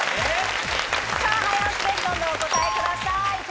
早押しです、どんどんお答えください。